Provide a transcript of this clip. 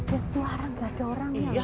ada suara ga ada orang ya